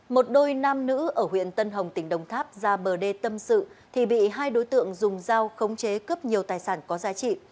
một đôi nam nữ ở huyện tân hồng tỉnh đồng tháp ra bờ đê tâm sự thì bị hai đối tượng dùng dao khống chế cướp nhiều tài sản có giá trị